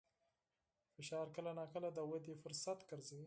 فشار کله ناکله د ودې فرصت ګرځي.